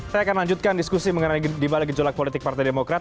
saya akan lanjutkan diskusi mengenai dibalik gejolak politik partai demokrat